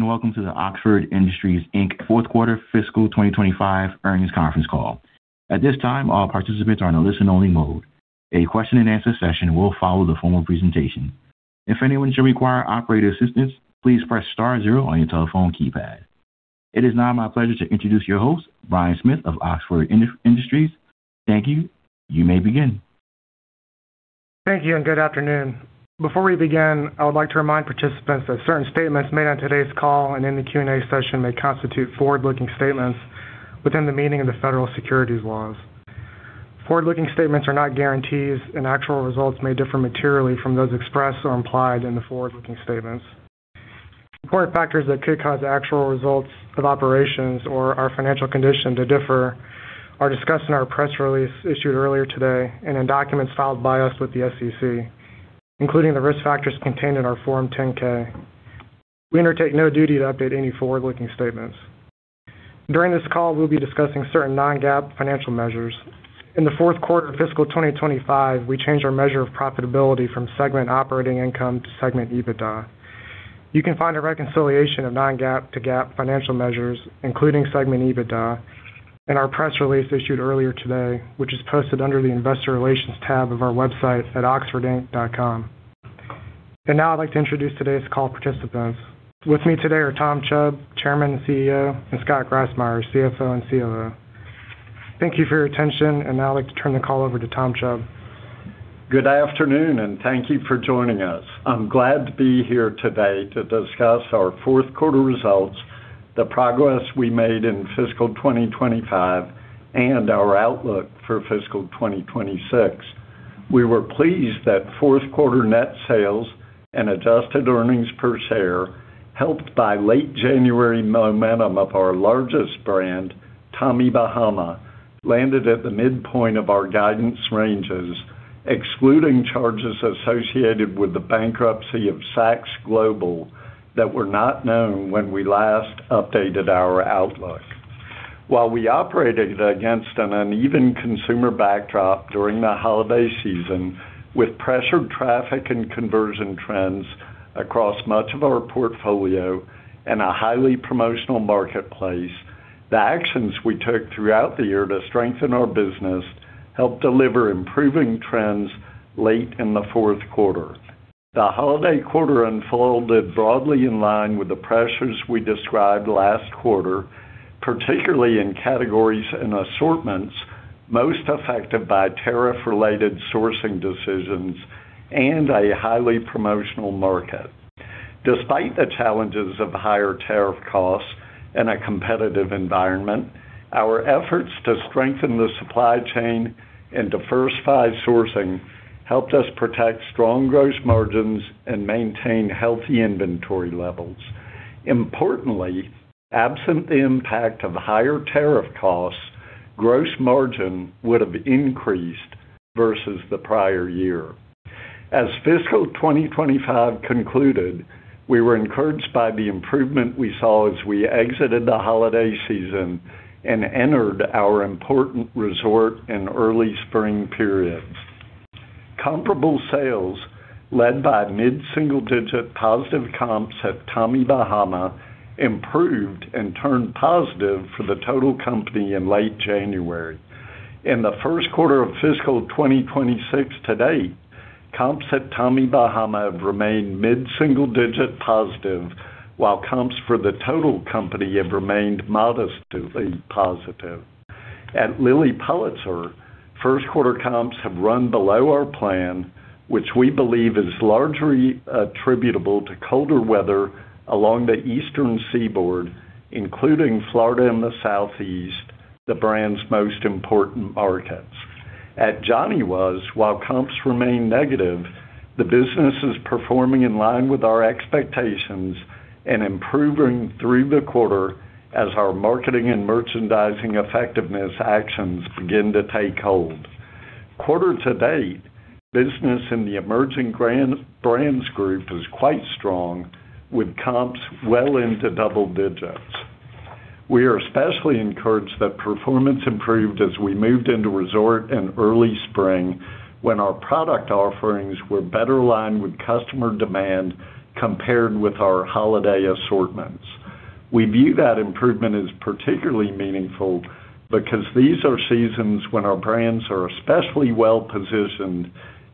Welcome to the Oxford Industries, Inc. Fourth quarter fiscal 2025 earnings conference call. At this time, all participants are in a listen-only mode. A question-and-answer session will follow the formal presentation. If anyone should require operator assistance, please press star zero on your telephone keypad. It is now my pleasure to introduce your host, Brian Smith of Oxford Industries. Thank you. You may begin. Thank you and good afternoon. Before we begin, I would like to remind participants that certain statements made on today's call and in the Q&A session may constitute forward-looking statements within the meaning of the federal securities laws. Forward-looking statements are not guarantees, and actual results may differ materially from those expressed or implied in the forward-looking statements. Important factors that could cause actual results of operations or our financial condition to differ are discussed in our press release issued earlier today and in documents filed by us with the SEC, including the risk factors contained in our Form 10-K. We undertake no duty to update any forward-looking statements. During this call, we'll be discussing certain non-GAAP financial measures. In the fourth quarter of fiscal 2025, we changed our measure of profitability from segment operating income to segment EBITDA. You can find a reconciliation of non-GAAP to GAAP financial measures, including segment EBITDA, in our press release issued earlier today, which is posted under the Investor Relations tab of our website at oxfordinc.com. Now I'd like to introduce today's call participants. With me today are Thomas Chubb, Chairman and CEO, and Scott Grassmyer, CFO and COO. Thank you for your attention, and now I'd like to turn the call over to Thomas Chubb. Good afternoon, and thank you for joining us. I'm glad to be here today to discuss our fourth quarter results, the progress we made in fiscal 2025, and our outlook for fiscal 2026. We were pleased that fourth quarter net sales and adjusted earnings per share, helped by late January momentum of our largest brand, Tommy Bahama, landed at the midpoint of our guidance ranges, excluding charges associated with the bankruptcy of Saks Global that were not known when we last updated our outlook. While we operated against an uneven consumer backdrop during the holiday season with pressured traffic and conversion trends across much of our portfolio and a highly promotional marketplace, the actions we took throughout the year to strengthen our business helped deliver improving trends late in the fourth quarter. The holiday quarter unfolded broadly in line with the pressures we described last quarter, particularly in categories and assortments most affected by tariff-related sourcing decisions and a highly promotional market. Despite the challenges of higher tariff costs and a competitive environment, our efforts to strengthen the supply chain and diversify sourcing helped us protect strong gross margins and maintain healthy inventory levels. Importantly, absent the impact of higher tariff costs, gross margin would have increased versus the prior year. As fiscal 2025 concluded, we were encouraged by the improvement we saw as we exited the holiday season and entered our important resort and early spring periods. Comparable sales, led by mid-single digit positive comps at Tommy Bahama, improved and turned positive for the total company in late January. In the first quarter of fiscal 2026 to date, comps at Tommy Bahama have remained mid-single-digit positive, while comps for the total company have remained modestly positive. At Lilly Pulitzer, first quarter comps have run below our plan, which we believe is largely attributable to colder weather along the eastern seaboard, including Florida and the Southeast, the brand's most important markets. At Johnny Was, while comps remain negative, the business is performing in line with our expectations and improving through the quarter as our marketing and merchandising effectiveness actions begin to take hold. Quarter to date, business in the emerging brands group is quite strong, with comps well into double digits. We are especially encouraged that performance improved as we moved into resort and early spring, when our product offerings were better aligned with customer demand compared with our holiday assortments. We view that improvement as particularly meaningful because these are seasons when our brands are especially well-positioned,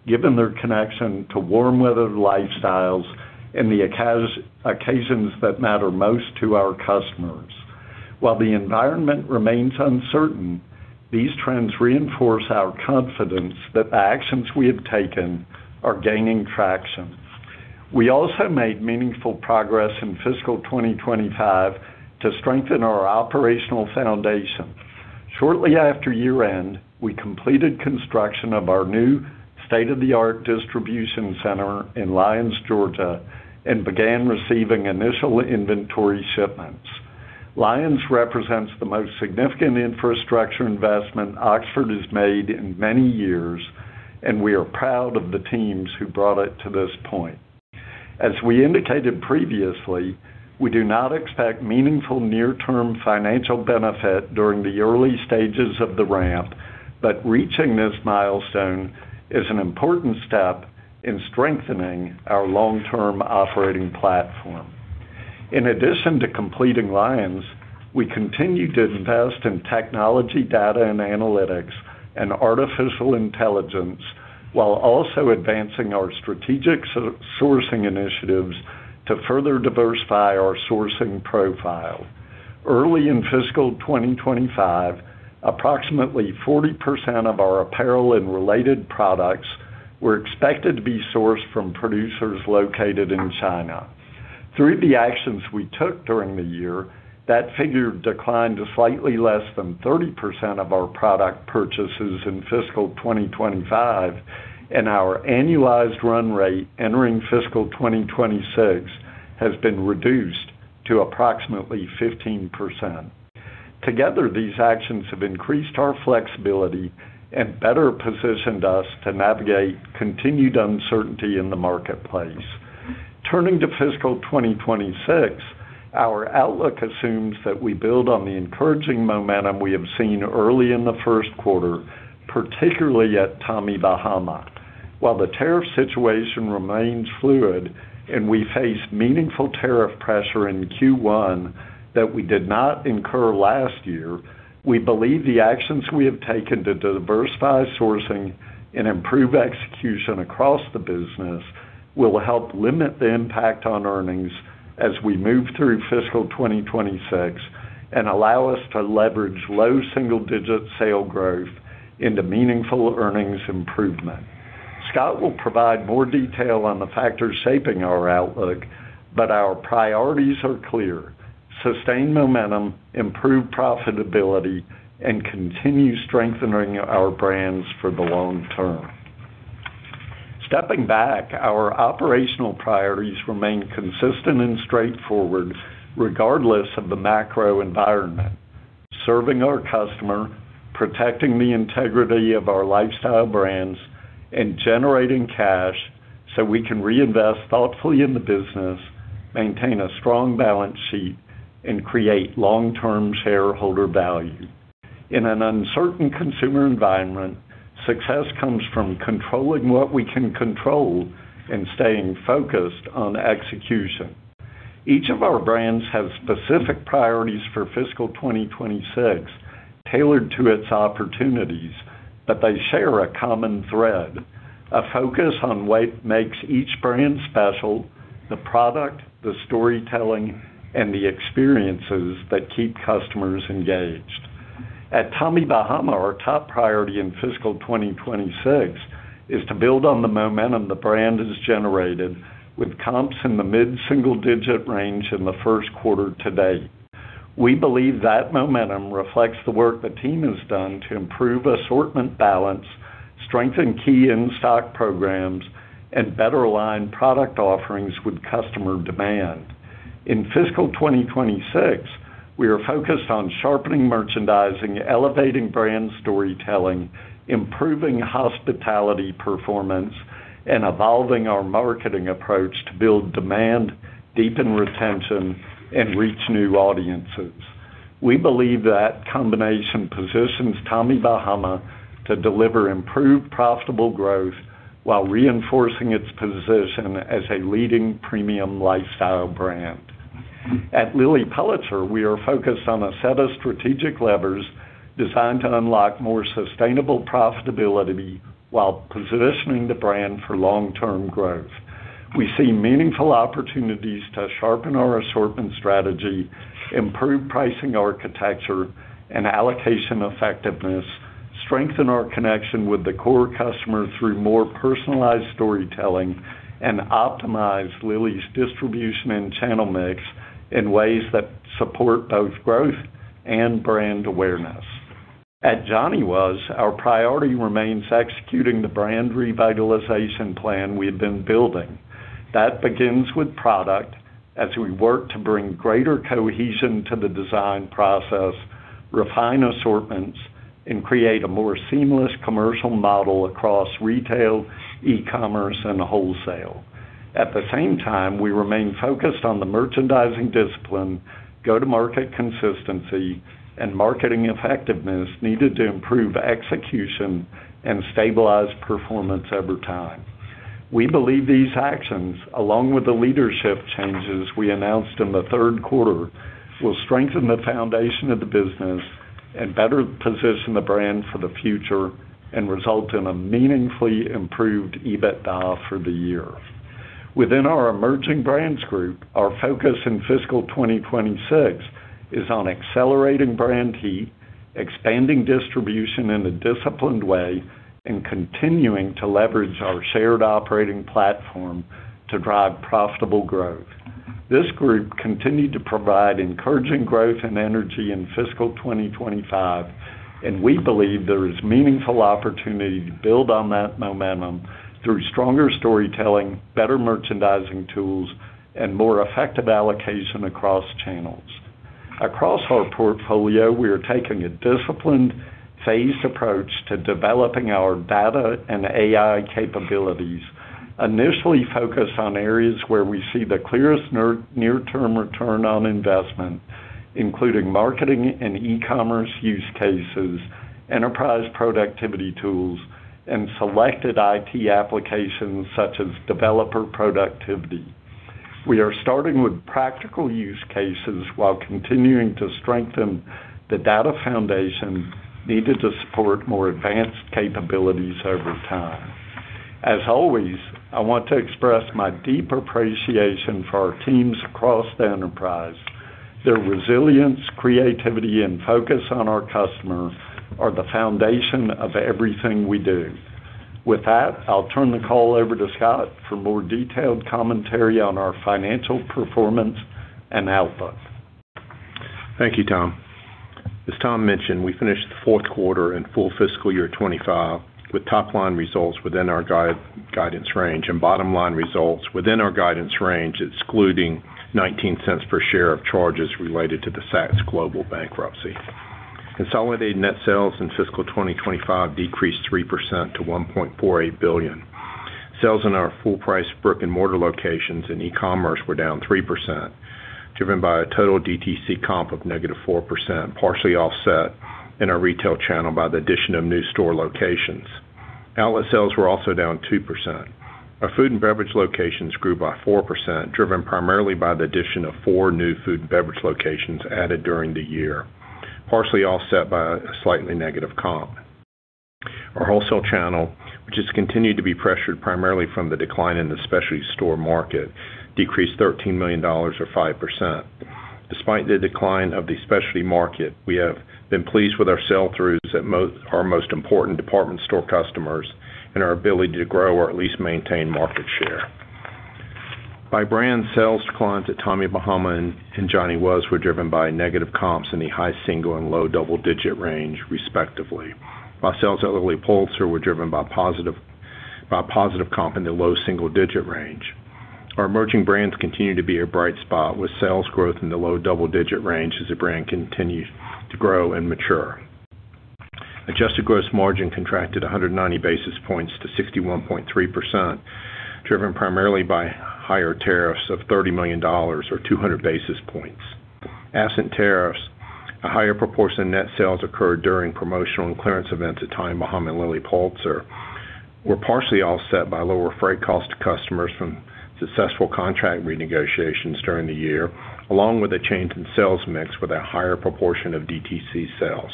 given their connection to warm weather lifestyles and the occasions that matter most to our customers. While the environment remains uncertain, these trends reinforce our confidence that the actions we have taken are gaining traction. We also made meaningful progress in fiscal 2025 to strengthen our operational foundation. Shortly after year-end, we completed construction of our new state-of-the-art distribution center in Lyons, Georgia, and began receiving initial inventory shipments. Lyons represents the most significant infrastructure investment Oxford has made in many years, and we are proud of the teams who brought it to this point. As we indicated previously, we do not expect meaningful near-term financial benefit during the early stages of the ramp. Reaching this milestone is an important step in strengthening our long-term operating platform. In addition to completing Lyons, we continue to invest in technology, data and analytics and artificial intelligence, while also advancing our strategic sourcing initiatives to further diversify our sourcing profile. Early in fiscal 2025, approximately 40% of our apparel and related products were expected to be sourced from producers located in China. Through the actions we took during the year, that figure declined to slightly less than 30% of our product purchases in fiscal 2025, and our annualized run rate entering fiscal 2026 has been reduced to approximately 15%. Together, these actions have increased our flexibility and better positioned us to navigate continued uncertainty in the marketplace. Turning to fiscal 2026, our outlook assumes that we build on the encouraging momentum we have seen early in the first quarter, particularly at Tommy Bahama. While the tariff situation remains fluid and we face meaningful tariff pressure in Q1 that we did not incur last year, we believe the actions we have taken to diversify sourcing and improve execution across the business will help limit the impact on earnings as we move through fiscal 2026 and allow us to leverage low single-digit sales growth into meaningful earnings improvement. Scott will provide more detail on the factors shaping our outlook, but our priorities are clear. Sustain momentum, improve profitability, and continue strengthening our brands for the long term. Stepping back, our operational priorities remain consistent and straightforward regardless of the macro environment. Serving our customer, protecting the integrity of our lifestyle brands, and generating cash so we can reinvest thoughtfully in the business, maintain a strong balance sheet, and create long-term shareholder value. In an uncertain consumer environment, success comes from controlling what we can control and staying focused on execution. Each of our brands has specific priorities for fiscal 2026 tailored to its opportunities, but they share a common thread. A focus on what makes each brand special, the product, the storytelling, and the experiences that keep customers engaged. At Tommy Bahama, our top priority in fiscal 2026 is to build on the momentum the brand has generated with comps in the mid-single-digit range in the first quarter to date. We believe that momentum reflects the work the team has done to improve assortment balance, strengthen key in-stock programs, and better align product offerings with customer demand. In fiscal 2026, we are focused on sharpening merchandising, elevating brand storytelling, improving hospitality performance, and evolving our marketing approach to build demand, deepen retention, and reach new audiences. We believe that combination positions Tommy Bahama to deliver improved profitable growth while reinforcing its position as a leading premium lifestyle brand. At Lilly Pulitzer, we are focused on a set of strategic levers designed to unlock more sustainable profitability while positioning the brand for long-term growth. We see meaningful opportunities to sharpen our assortment strategy, improve pricing architecture and allocation effectiveness, strengthen our connection with the core customer through more personalized storytelling, and optimize Lilly's distribution and channel mix in ways that support both growth and brand awareness. At Johnny Was, our priority remains executing the brand revitalization plan we have been building. That begins with product as we work to bring greater cohesion to the design process, refine assortments, and create a more seamless commercial model across retail, e-commerce, and wholesale. At the same time, we remain focused on the merchandising discipline, go-to-market consistency, and marketing effectiveness needed to improve execution and stabilize performance over time. We believe these actions, along with the leadership changes we announced in the third quarter, will strengthen the foundation of the business and better position the brand for the future and result in a meaningfully improved EBITDA for the year. Within our emerging brands group, our focus in fiscal 2026 is on accelerating brand heat, expanding distribution in a disciplined way, and continuing to leverage our shared operating platform to drive profitable growth. This group continued to provide encouraging growth and energy in fiscal 2025, and we believe there is meaningful opportunity to build on that momentum through stronger storytelling, better merchandising tools, and more effective allocation across channels. Across our portfolio, we are taking a disciplined, phased approach to developing our data and AI capabilities. Initially focus on areas where we see the clearest near-term return on investment, including marketing and e-commerce use cases, enterprise productivity tools, and selected IT applications such as developer productivity. We are starting with practical use cases while continuing to strengthen the data foundation needed to support more advanced capabilities over time. As always, I want to express my deep appreciation for our teams across the enterprise. Their resilience, creativity, and focus on our customers are the foundation of everything we do. With that, I'll turn the call over to Scott for more detailed commentary on our financial performance and outlook. Thank you, Tom. As Tom mentioned, we finished the fourth quarter and full fiscal year 2025 with top-line results within our guidance range and bottom line results within our guidance range, excluding $0.19 Per share of charges related to the Saks Global bankruptcy. Consolidated net sales in fiscal 2025 decreased 3% to $1.48 billion. Sales in our full price brick-and-mortar locations and e-commerce were down 3%, driven by a total DTC comp of -4%, partially offset in our retail channel by the addition of new store locations. Outlet sales were also down 2%. Our food and beverage locations grew by 4%, driven primarily by the addition of four new food and beverage locations added during the year, partially offset by a slightly negative comp. Our wholesale channel, which has continued to be pressured primarily from the decline in the specialty store market, decreased $13 million or 5%. Despite the decline of the specialty market, we have been pleased with our sell-throughs at our most important department store customers and our ability to grow or at least maintain market share. By brand, sales declines at Tommy Bahama and Johnny Was were driven by negative comps in the high single-digit and low double-digit range, respectively. While sales at Lilly Pulitzer were driven by positive comp in the low single-digit range. Our emerging brands continue to be a bright spot, with sales growth in the low double-digit range as the brand continues to grow and mature. Adjusted gross margin contracted 190 basis points to 61.3%, driven primarily by higher tariffs of $30 million or 200 basis points. Absent tariffs, a higher proportion of net sales occurred during promotional and clearance events at Tommy Bahama and Lilly Pulitzer were partially offset by lower freight costs to customers from successful contract renegotiations during the year, along with a change in sales mix with a higher proportion of DTC sales.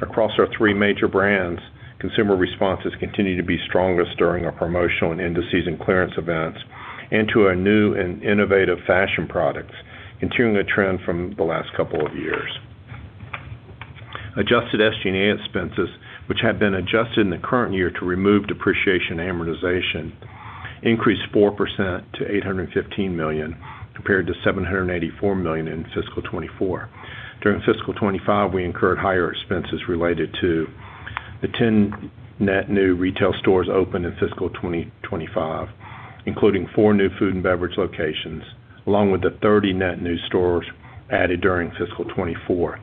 Across our three major brands, consumer responses continue to be strongest during our promotional end-of-season clearance events into our new and innovative fashion products, continuing a trend from the last couple of years. Adjusted SG&A expenses, which have been adjusted in the current year to remove depreciation and amortization, increased 4% to $815 million, compared to $784 million in fiscal 2024. During fiscal 2025, we incurred higher expenses related to the 10 net new retail stores opened in fiscal 2025, including four new food and beverage locations, along with the 30 net new stores added during fiscal 2024.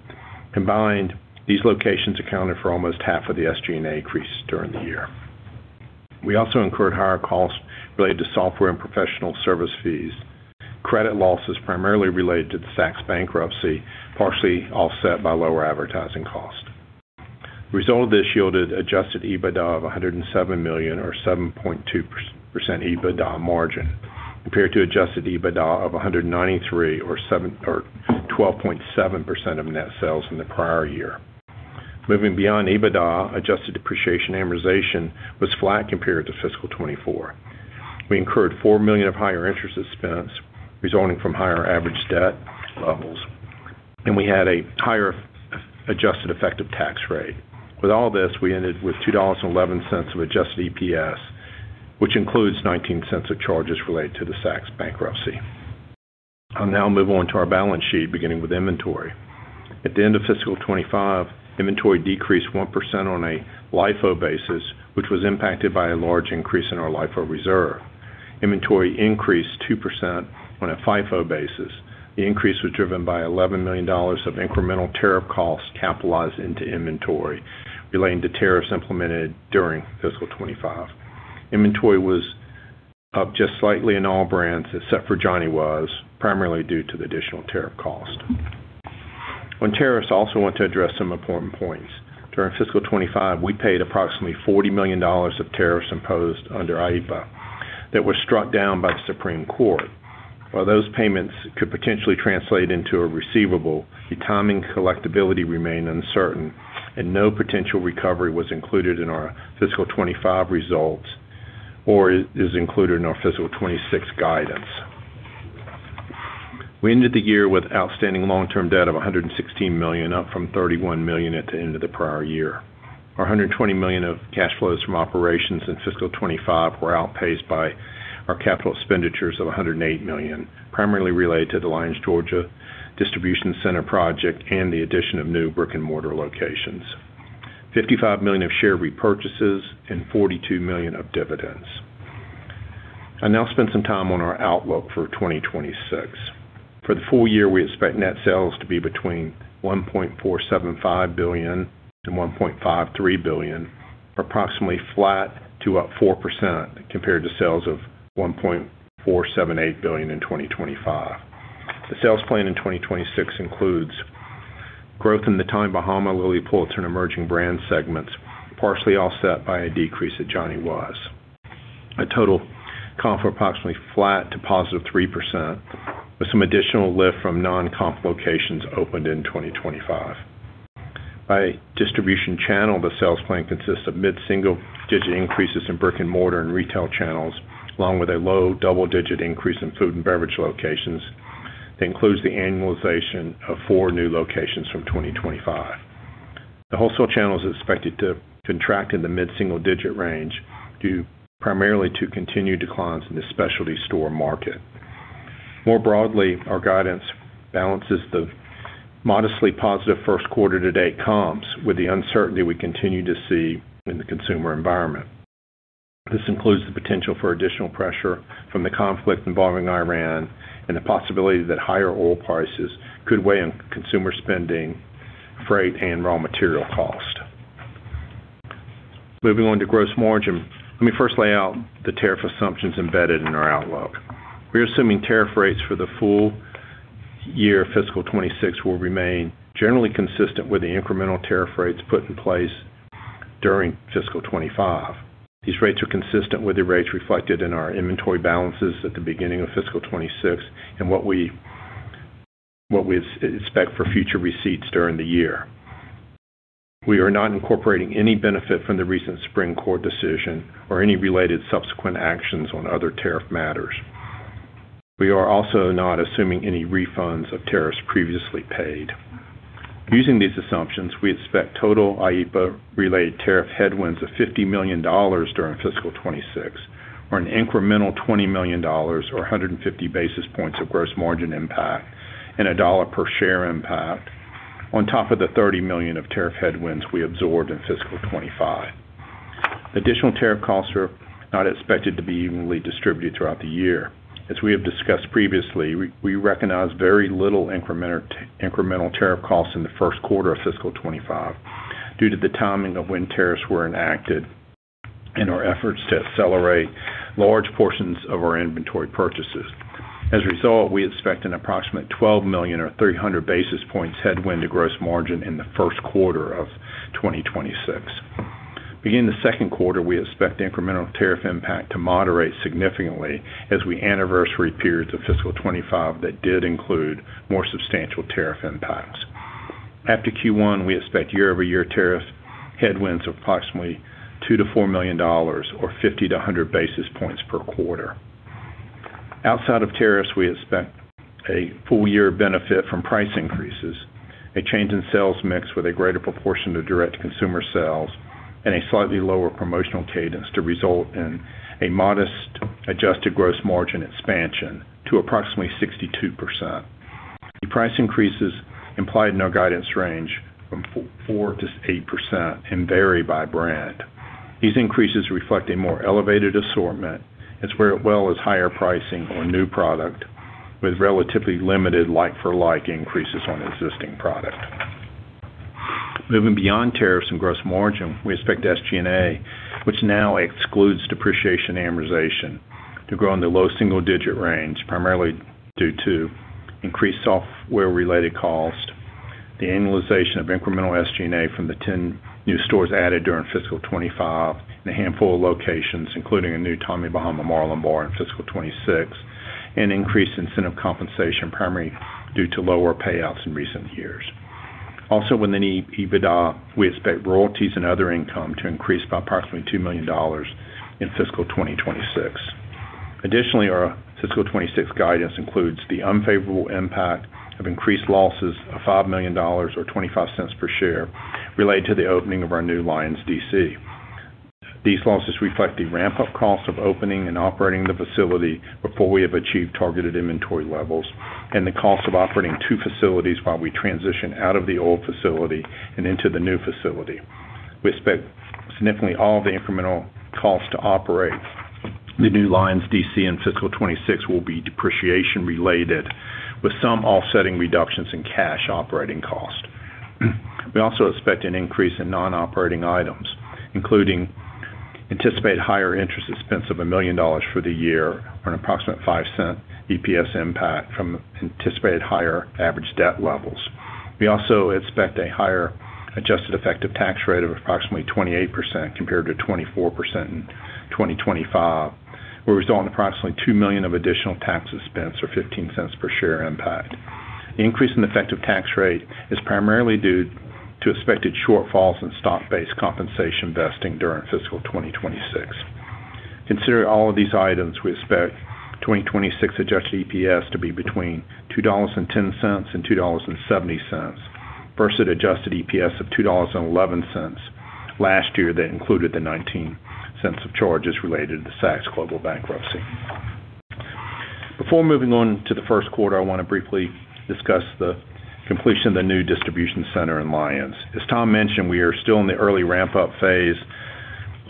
Combined, these locations accounted for almost half of the SG&A increase during the year. We also incurred higher costs related to software and professional service fees. Credit loss is primarily related to the Saks bankruptcy, partially offset by lower advertising costs. The result of this yielded adjusted EBITDA of $107 million or 7.2% EBITDA margin, compared to adjusted EBITDA of $193 million or 12.7% of net sales in the prior year. Moving beyond EBITDA, adjusted depreciation and amortization was flat compared to fiscal 2024. We incurred $4 million of higher interest expense resulting from higher average debt levels, and we had a higher adjusted effective tax rate. With all this, we ended with $2.11 of adjusted EPS, which includes $0.19 of charges related to the Saks bankruptcy. I'll now move on to our balance sheet, beginning with inventory. At the end of FY 2025, inventory decreased 1% on a LIFO basis, which was impacted by a large increase in our LIFO reserve. Inventory increased 2% on a FIFO basis. The increase was driven by $11 million of incremental tariff costs capitalized into inventory relating to tariffs implemented during FY 2025. Inventory was up just slightly in all brands except for Johnny Was, primarily due to the additional tariff cost. On tariffs, I also want to address some important points. During fiscal 2025, we paid approximately $40 million of tariffs imposed under IEEPA that were struck down by the Supreme Court. While those payments could potentially translate into a receivable, the timing and collectability remain uncertain and no potential recovery was included in our fiscal 2025 results or is included in our fiscal 2026 guidance. We ended the year with outstanding long-term debt of $116 million, up from $31 million at the end of the prior year. Our $120 million of cash flows from operations in fiscal 2025 were outpaced by our capital expenditures of $108 million, primarily related to the Lyons, Georgia distribution center project and the addition of new brick-and-mortar locations. $55 million of share repurchases and $42 million of dividends. I'll now spend some time on our outlook for 2026. For the full-year, we expect net sales to be $1.475-1.53 billion, approximately flat to up 4% compared to sales of $1.478 billion in 2025. The sales plan in 2026 includes growth in the Tommy Bahama, Lilly Pulitzer, and Emerging Brands segments, partially offset by a decrease at Johnny Was. A total comp of approximately flat to positive 3%, with some additional lift from non-comp locations opened in 2025. By distribution channel, the sales plan consists of mid-single-digit increases in brick-and-mortar and retail channels, along with a low double-digit increase in food and beverage locations that includes the annualization of four new locations from 2025. The wholesale channel is expected to contract in the mid-single digit range, due primarily to continued declines in the specialty store market. More broadly, our guidance balances the modestly positive first quarter-to-date comps with the uncertainty we continue to see in the consumer environment. This includes the potential for additional pressure from the conflict involving Iran and the possibility that higher oil prices could weigh on consumer spending, freight, and raw material cost. Moving on to gross margin. Let me first lay out the tariff assumptions embedded in our outlook. We are assuming tariff rates for the full-year fiscal 2026 will remain generally consistent with the incremental tariff rates put in place during fiscal 2025. These rates are consistent with the rates reflected in our inventory balances at the beginning of fiscal 2026 and what we expect for future receipts during the year. We are not incorporating any benefit from the recent Supreme Court decision or any related subsequent actions on other tariff matters. We are also not assuming any refunds of tariffs previously paid. Using these assumptions, we expect total IEEPA-related tariff headwinds of $50 million during fiscal 2026 or an incremental $20 million or 150 basis points of gross margin impact and a $1 per share impact on top of the $30 million of tariff headwinds we absorbed in fiscal 2025. Additional tariff costs are not expected to be evenly distributed throughout the year. As we have discussed previously, we recognize very little incremental tariff costs in the first quarter of fiscal 2025 due to the timing of when tariffs were enacted and our efforts to accelerate large portions of our inventory purchases. As a result, we expect an approximate $12 million or 300 basis points headwind to gross margin in the first quarter of 2026. Beginning the second quarter, we expect the incremental tariff impact to moderate significantly as we anniversary periods of FY 2025 that did include more substantial tariff impacts. After Q1, we expect year-over-year tariff headwinds of approximately $2-4 million or 50-100 basis points per quarter. Outside of tariffs, we expect a full-year benefit from price increases, a change in sales mix with a greater proportion of direct-to-consumer sales, and a slightly lower promotional cadence to result in a modest adjusted gross margin expansion to approximately 62%. The price increases implied in our guidance range from 4%-8% and vary by brand. These increases reflect a more elevated assortment as well as higher pricing on new product with relatively limited like-for-like increases on existing product. Moving beyond tariffs and gross margin, we expect SG&A, which now excludes depreciation and amortization, to grow in the low single-digit range, primarily due to increased software-related costs, the annualization of incremental SG&A from the 10 new stores added during fiscal 2025 and a handful of locations, including a new Tommy Bahama Marlin Bar in fiscal 2026, and increased incentive compensation primarily due to lower payouts in recent years. Also, within EBITDA, we expect royalties and other income to increase by approximately $2 million in fiscal 2026. Additionally, our fiscal 2026 guidance includes the unfavorable impact of increased losses of $5 million or $0.25 per share related to the opening of our new Lyons DC. These losses reflect the ramp-up cost of opening and operating the facility before we have achieved targeted inventory levels and the cost of operating two facilities while we transition out of the old facility and into the new facility. We expect that all the incremental costs to operate the new Lyons DC in fiscal 2026 will be depreciation related with some offsetting reductions in cash operating cost. We also expect an increase in non-operating items, including anticipated higher interest expense of $1 million for the year or an approximate $0.05 EPS impact from anticipated higher average debt levels. We also expect a higher adjusted effective tax rate of approximately 28% compared to 24% in 2025. We're resulting in approximately $2 million of additional tax expense or $0.15 per share impact. The increase in effective tax rate is primarily due to expected shortfalls in stock-based compensation vesting during fiscal 2026. Considering all of these items, we expect 2026 adjusted EPS to be between $2.10 and $2.70 versus adjusted EPS of $2.11 last year that included the $0.19 of charges related to the Saks Global bankruptcy. Before moving on to the first quarter, I wanna briefly discuss the completion of the new distribution center in Lyons. As Tom mentioned, we are still in the early ramp-up phase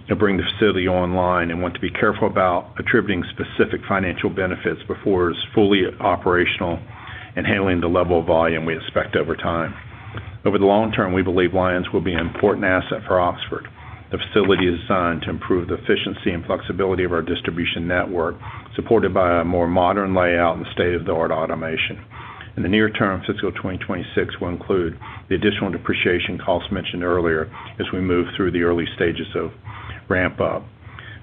to bring the facility online and want to be careful about attributing specific financial benefits before it's fully operational and handling the level of volume we expect over time. Over the long term, we believe Lyons will be an important asset for Oxford. The facility is designed to improve the efficiency and flexibility of our distribution network, supported by a more modern layout and state-of-the-art automation. In the near term, fiscal 2026 will include the additional depreciation costs mentioned earlier as we move through the early stages of ramp up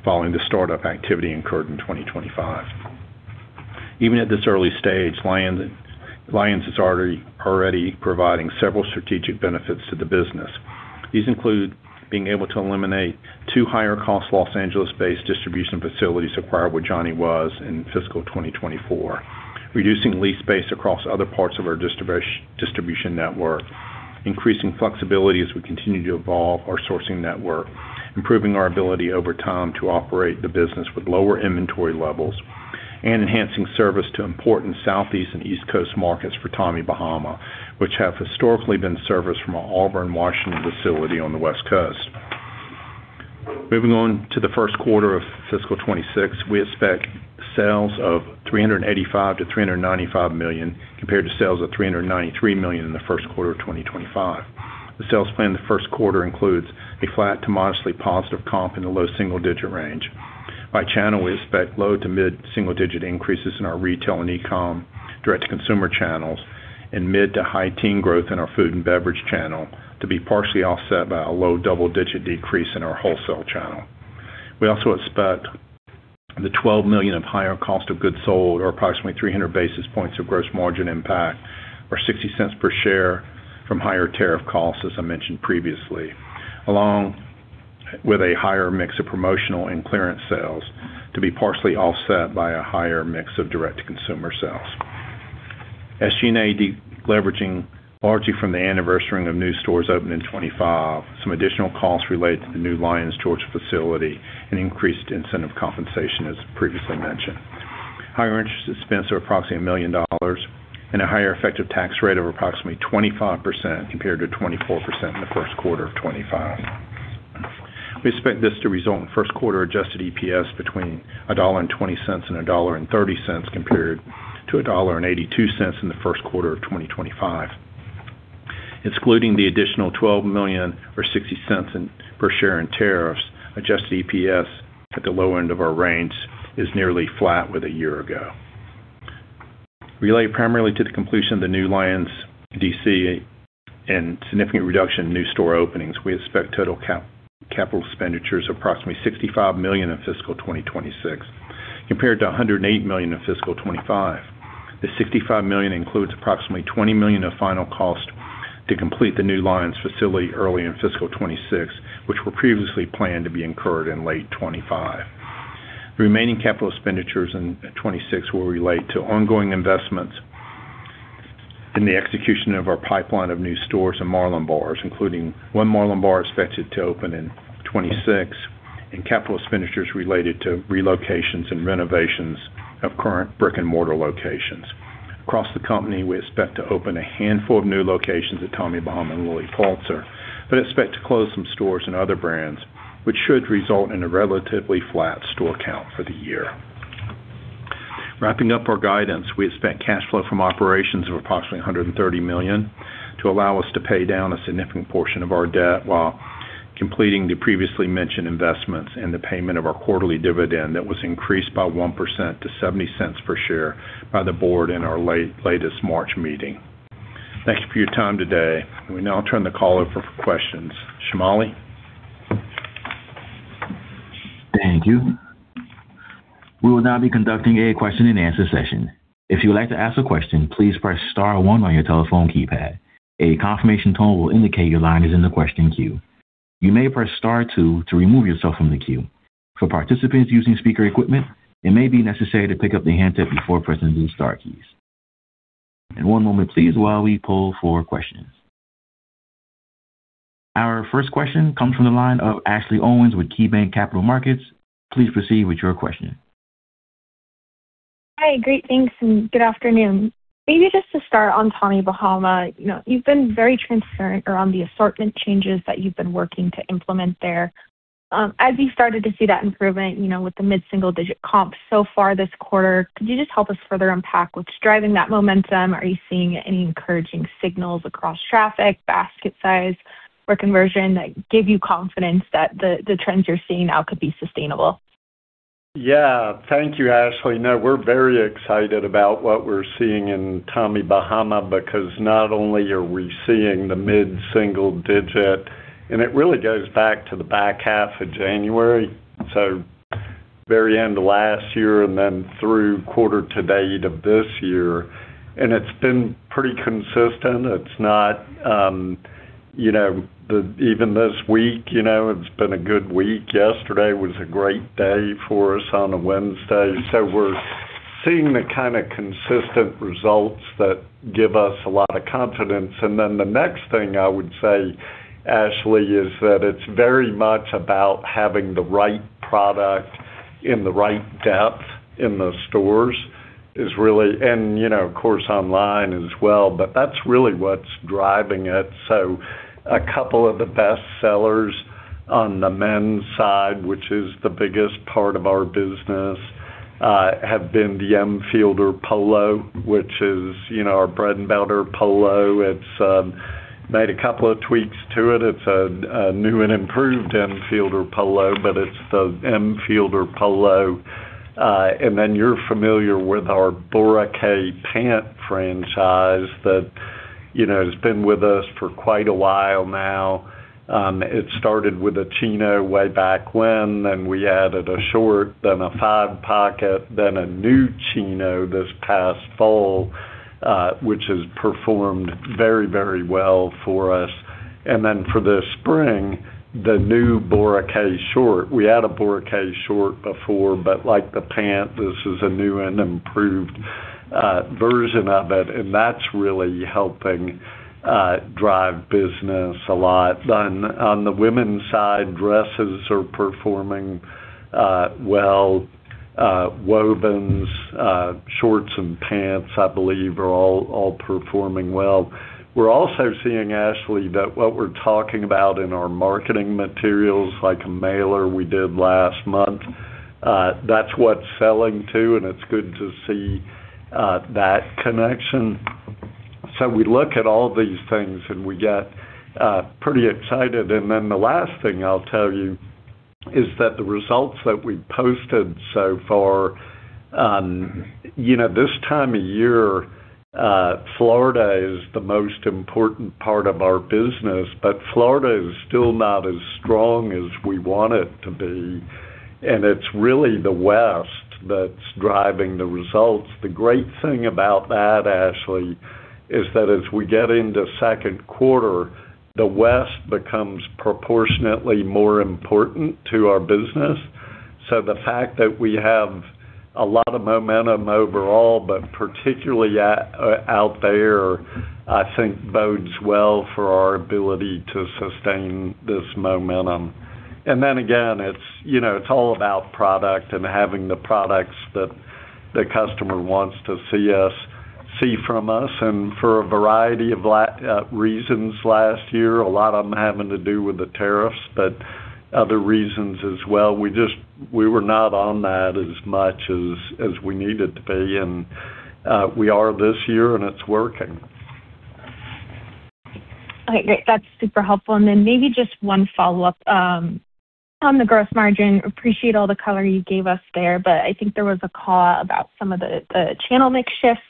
following the start-up activity incurred in 2025. Even at this early stage, Lyons is already providing several strategic benefits to the business. These include being able to eliminate 2 higher cost L.A.-based distribution facilities acquired with Johnny Was in fiscal 2024. Reducing lease space across other parts of our distribution network. Increasing flexibility as we continue to evolve our sourcing network. Improving our ability over time to operate the business with lower inventory levels. Enhancing service to important Southeast and East Coast markets for Tommy Bahama, which have historically been serviced from our Auburn, Washington, facility on the West Coast. Moving on to the first quarter of fiscal 2026, we expect sales of $385-395 million, compared to sales of $393 million in the first quarter of 2025. The sales plan in the first quarter includes a flat to modestly positive comp in the low single-digit range. By channel, we expect low- to mid-single-digit increases in our retail and e-com direct to consumer channels, and mid- to high-teens growth in our food and beverage channel to be partially offset by a low double-digit decrease in our wholesale channel. We also expect the $12 million of higher cost of goods sold or approximately 300 basis points of gross margin impact, or $0.60 per share from higher tariff costs, as I mentioned previously, along with a higher mix of promotional and clearance sales to be partially offset by a higher mix of direct to consumer sales. SG&A de-leveraging largely from the anniversaring of new stores opened in 2025, some additional costs related to the new Lyons, Georgia, facility and increased incentive compensation as previously mentioned. Higher interest expense of approximately $1 million and a higher effective tax rate of approximately 25% compared to 24% in the first quarter of 2025. We expect this to result in first quarter adjusted EPS between $1.20 and $1.30 compared to $1.82 in the first quarter of 2025. Excluding the additional $12 million or $0.60 per share in tariffs, adjusted EPS at the low end of our range is nearly flat with a year ago. Related primarily to the completion of the new Lyons DC and significant reduction in new store openings, we expect total capital expenditures of approximately $65 million in fiscal 2026 compared to $108 million in fiscal 2025. The $65 million includes approximately $20 million of final cost to complete the new Lyons facility early in fiscal 2026, which were previously planned to be incurred in late 2025. Remaining capital expenditures in 2026 will relate to ongoing investments in the execution of our pipeline of new stores and Marlin Bars, including one Marlin Bar expected to open in 2026 and capital expenditures related to relocations and renovations of current brick-and-mortar locations. Across the company, we expect to open a handful of new locations at Tommy Bahama and Lilly Pulitzer, but expect to close some stores and other brands, which should result in a relatively flat store count for the year. Wrapping up our guidance, we expect cash flow from operations of approximately $130 million to allow us to pay down a significant portion of our debt while completing the previously mentioned investments and the payment of our quarterly dividend that was increased by 1% to $0.70 per share by the board in our latest March meeting. Thank you for your time today. We now turn the call over for questions. Jameelah? Thank you. We will now be conducting a question and answer session. If you would like to ask a question, please press star one on your telephone keypad. A confirmation tone will indicate your line is in the question queue. You may press star two to remove yourself from the queue. For participants using speaker equipment, it may be necessary to pick up the handset before pressing the star keys. One moment please while we poll for questions. Our first question comes from the line of Ashley Owens with KeyBank Capital Markets. Please proceed with your question. Hi. Great, thanks, and good afternoon. Maybe just to start on Tommy Bahama. You know, you've been very transparent around the assortment changes that you've been working to implement there. As you started to see that improvement, you know, with the mid single digit comps so far this quarter, could you just help us further unpack what's driving that momentum? Are you seeing any encouraging signals across traffic, basket size or conversion that give you confidence that the trends you're seeing now could be sustainable? Yeah. Thank you, Ashley. No, we're very excited about what we're seeing in Tommy Bahama because not only are we seeing the mid-single-digit, and it really goes back to the back half of January, so very end of last year and then through quarter-to-date of this year. It's been pretty consistent. It's not, you know, even this week, you know, it's been a good week. Yesterday was a great day for us on a Wednesday. We're seeing the kinda consistent results that give us a lot of confidence. The next thing I would say Ashley, it's very much about having the right product in the right depth in the stores. It's really, you know, of course, online as well, but that's really what's driving it. A couple of the best sellers on the men's side, which is the biggest part of our business, have been the Emfielder Polo, which is, you know, our bread and butter polo. It's made a couple of tweaks to it. It's a new and improved Emfielder Polo, but it's the Emfielder Polo. Then you're familiar with our Boracay pant franchise that, you know, has been with us for quite a while now. It started with a chino way back when, then we added a short, then a five pocket, then a new chino this past fall, which has performed very, very well for us. Then for the spring, the new Boracay short. We had a Boracay short before, but like the pant, this is a new and improved version of it, and that's really helping drive business a lot. On the women's side, dresses are performing well. Wovens, shorts and pants, I believe, are all performing well. We're also seeing, Ashley, that what we're talking about in our marketing materials, like a mailer we did last month, that's what's selling too, and it's good to see that connection. We look at all these things, and we get pretty excited. The last thing I'll tell you is that the results that we posted so far, you know, this time of year, Florida is the most important part of our business, but Florida is still not as strong as we want it to be, and it's really the West that's driving the results. The great thing about that, Ashley, is that as we get into second quarter, the West becomes proportionately more important to our business. The fact that we have a lot of momentum overall, but particularly out there, I think bodes well for our ability to sustain this momentum. It's, you know, it's all about product and having the products that the customer wants to see from us. For a variety of reasons last year, a lot of them having to do with the tariffs, but other reasons as well, we were not on that as much as we needed to be. We are this year, and it's working. All right. Great. That's super helpful. Then maybe just one follow-up on the gross margin. Appreciate all the color you gave us there, but I think there was a call about some of the channel mix shifts.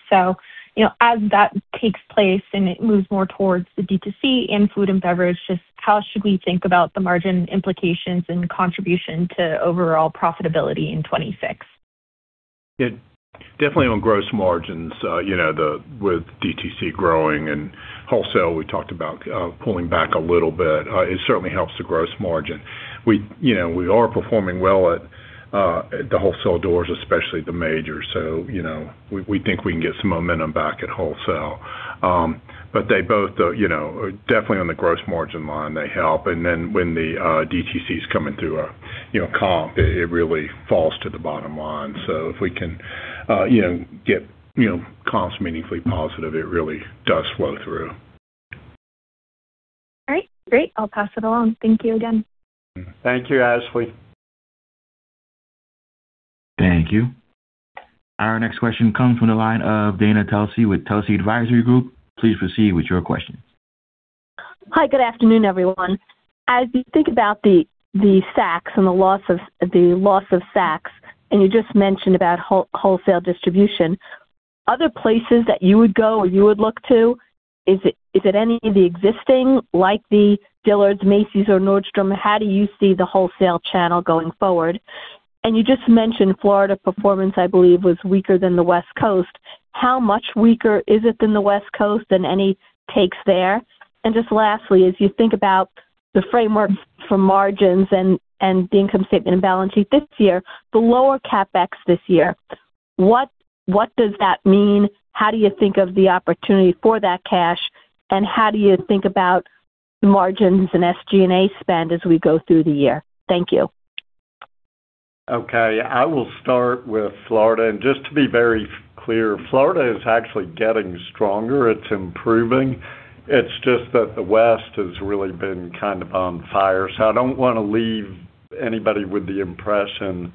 You know, as that takes place and it moves more towards the D2C and food and beverage, just how should we think about the margin implications and contribution to overall profitability in 2026? Yeah. Definitely on gross margins, you know, with DTC growing and wholesale, we talked about pulling back a little bit, it certainly helps the gross margin. We, you know, are performing well at the wholesale doors, especially the majors. You know, we think we can get some momentum back at wholesale. They both, you know, definitely on the gross margin line, they help. Then when the DTC is coming through, you know, comps, it really falls to the bottom line. If we can, you know, get, you know, comps meaningfully positive, it really does flow through. All right. Great. I'll pass it along. Thank you again. Thank you, Ashley. Thank you. Our next question comes from the line of Dana Telsey with Telsey Advisory Group. Please proceed with your question. Hi, good afternoon, everyone. As you think about the Saks and the loss of Saks, and you just mentioned about wholesale distribution, other places that you would go or you would look to, is it any of the existing, like the Dillard's, Macy's or Nordstrom? How do you see the wholesale channel going forward? You just mentioned Florida performance, I believe, was weaker than the West Coast. How much weaker is it than the West Coast and any takes there? Just lastly, as you think about the framework for margins and the income statement and balance sheet this year, the lower CapEx this year, what does that mean? How do you think of the opportunity for that cash? How do you think about margins and SG&A spend as we go through the year? Thank you. Okay. I will start with Florida. Just to be very clear, Florida is actually getting stronger. It's improving. It's just that the West has really been kind of on fire. I don't wanna leave anybody with the impression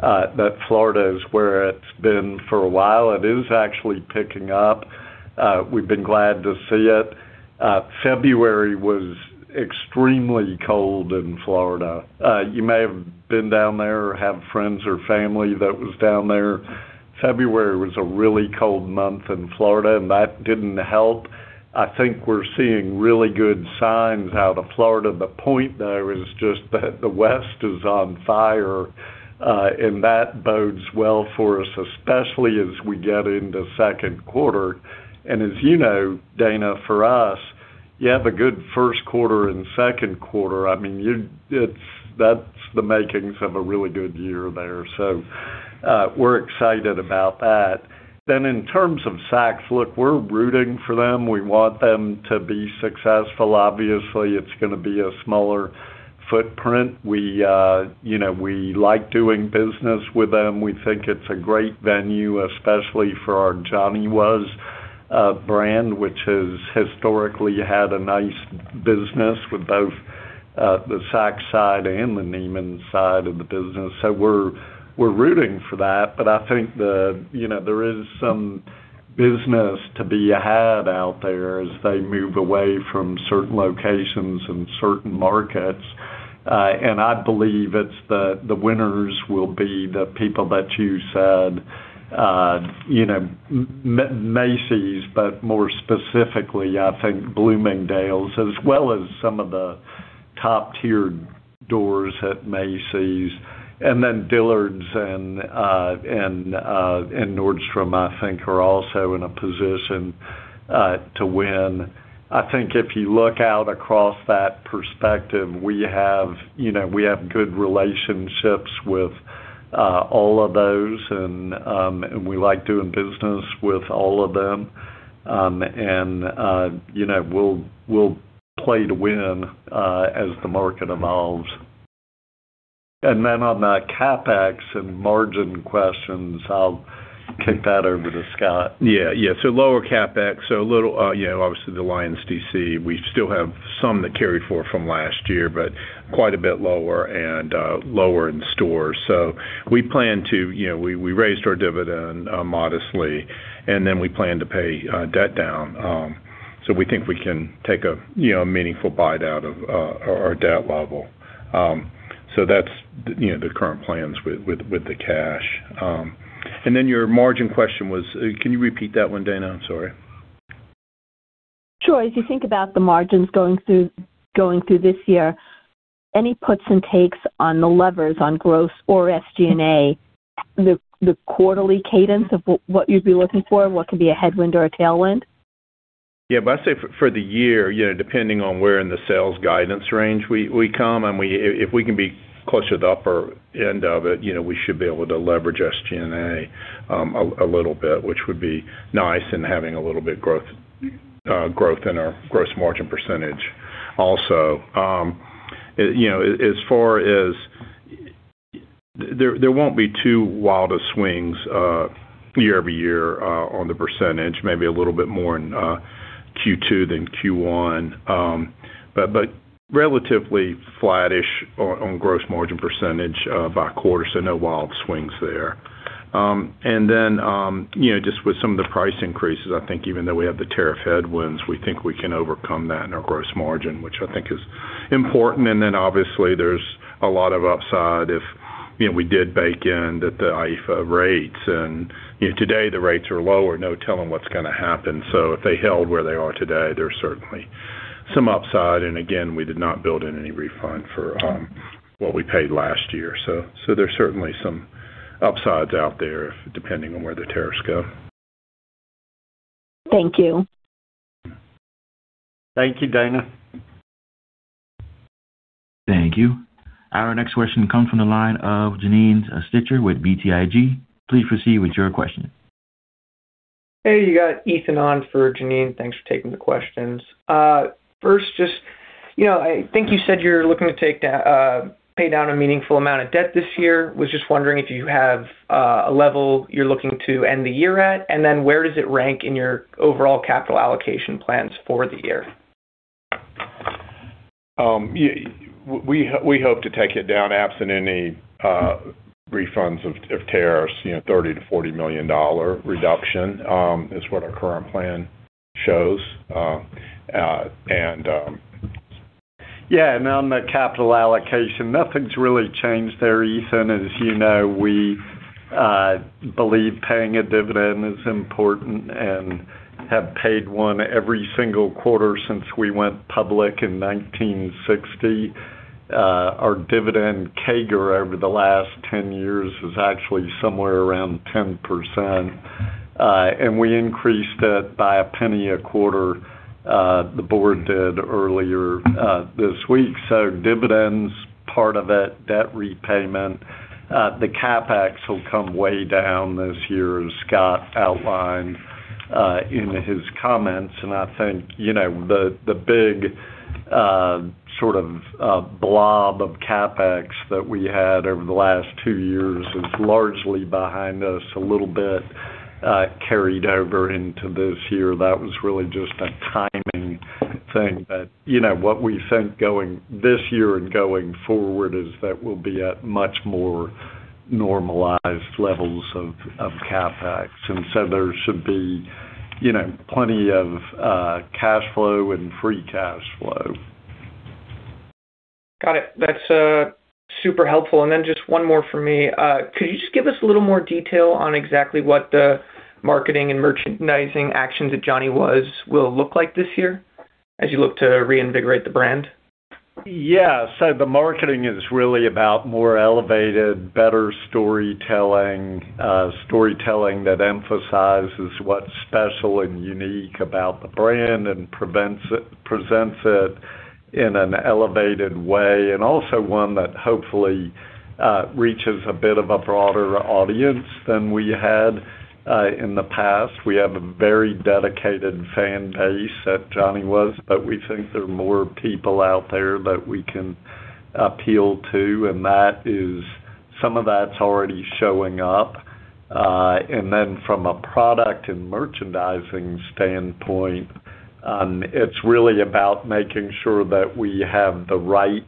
that Florida is where it's been for a while. It is actually picking up. We've been glad to see it. February was extremely cold in Florida. You may have been down there or have friends or family that was down there. February was a really cold month in Florida, and that didn't help. I think we're seeing really good signs out of Florida. The point, though, is just that the West is on fire, and that bodes well for us, especially as we get into second quarter. As you know, Dana, for us, you have a good first quarter and second quarter, I mean, that's the makings of a really good year there. We're excited about that. In terms of Saks, look, we're rooting for them. We want them to be successful. Obviously, it's gonna be a smaller footprint. We, you know, we like doing business with them. We think it's a great venue, especially for our Johnny Was brand, which has historically had a nice business with both the Saks side and the Neiman side of the business. We're rooting for that. I think you know, there is some business to be had out there as they move away from certain locations and certain markets. I believe the winners will be the people that you said, you know, Macy's, but more specifically, I think Bloomingdale's, as well as some of the top-tiered doors at Macy's. Then Dillard's and Nordstrom, I think are also in a position to win. I think if you look out across that perspective, you know, we have good relationships with all of those and we like doing business with all of them. You know, we'll play to win as the market evolves. On the CapEx and margin questions, I'll kick that over to Scott. Lower CapEx. A little, you know, obviously the Lyons DC, we still have some that carried forward from last year, but quite a bit lower and lower in stores. We plan to, you know, we raised our dividend modestly, and then we plan to pay debt down. We think we can take a, you know, meaningful bite out of our debt level. That's, you know, the current plans with the cash. Your margin question was. Can you repeat that one, Dana? I'm sorry. Sure. As you think about the margins going through this year, any puts and takes on the levers on growth or SG&A, the quarterly cadence of what you'd be looking for, what could be a headwind or a tailwind? Yeah. I'd say for the year, you know, depending on where in the sales guidance range we come and if we can be closer to the upper end of it, you know, we should be able to leverage SG&A a little bit, which would be nice and having a little bit growth in our gross margin percentage also. You know, as far as there won't be too wild of swings year-over-year on the percentage, maybe a little bit more in Q2 than Q1, relatively flattish on gross margin percentage by quarter, so no wild swings there. You know, just with some of the price increases, I think even though we have the tariff headwinds, we think we can overcome that in our gross margin, which I think is important. Obviously, there's a lot of upside if, you know, we did bake in at the IEEPA rates. You know, today the rates are lower, no telling what's gonna happen. So if they held where they are today, there's certainly some upside. Again, we did not build in any refund for what we paid last year. So there's certainly some upsides out there, depending on where the tariffs go. Thank you. Thank you, Dana. Thank you. Our next question comes from the line of Janine Stichter with BTIG. Please proceed with your question. Hey, you got Ethan on for Janine. Thanks for taking the questions. First, just, you know, I think you said you're looking to pay down a meaningful amount of debt this year. Was just wondering if you have a level you're looking to end the year at, and then where does it rank in your overall capital allocation plans for the year? We hope to take it down absent any refunds of tariffs, you know, $30-40 million reduction is what our current plan shows. Yeah, on the capital allocation, nothing's really changed there, Ethan. As you know, we believe paying a dividend is important and have paid one every single quarter since we went public in 1960. Our dividend CAGR over the last 10 years is actually somewhere around 10%. We increased it by a penny a quarter, the board did earlier this week. Dividends, part of it, debt repayment. The CapEx will come way down this year, as Scott outlined in his comments. I think, you know, the big sort of blob of CapEx that we had over the last two years is largely behind us. A little bit carried over into this year. That was really just a timing thing. You know, what we think going this year and going forward is that we'll be at much more normalized levels of CapEx. There should be, you know, plenty of cash flow and free cash flow. Got it. That's super helpful. Just one more for me. Could you just give us a little more detail on exactly what the marketing and merchandising actions at Johnny Was will look like this year as you look to reinvigorate the brand? Yeah. The marketing is really about more elevated, better storytelling that emphasizes what's special and unique about the brand and presents it in an elevated way and also one that hopefully reaches a bit of a broader audience than we had in the past. We have a very dedicated fan base at Johnny Was, but we think there are more people out there that we can appeal to, and some of that's already showing up. From a product and merchandising standpoint, it's really about making sure that we have the right